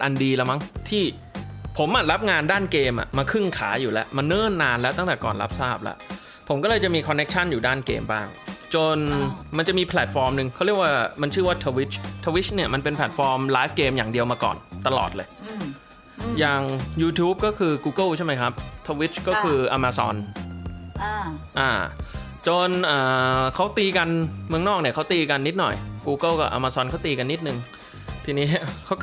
อันดีแล้วมั้งที่ผมอ่ะรับงานด้านเกมอ่ะมาครึ่งขาอยู่แล้วมาเนิ่นนานแล้วตั้งแต่ก่อนรับทราบแล้วผมก็เลยจะมีคอนเนคชั่นอยู่ด้านเกมบ้างจนมันจะมีแพลตฟอร์มหนึ่งเขาเรียกว่ามันชื่อว่าทวิชทวิชเนี่ยมันเป็นแพลตฟอร์มไลฟ์เกมอย่างเดียวมาก่อนตลอดเลยอย่างยูทูปก็คือกูเกิ้ลใช่ไหมครับทวิชก็